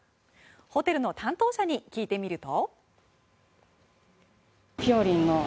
ホテルの担当者に聞いてみると。